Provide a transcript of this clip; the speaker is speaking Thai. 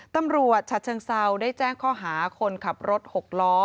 ตำรวจชัตร์ชังเศร้าได้แจ้งข้อหาคนขับรถหกล้อ